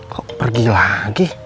kok pergi lagi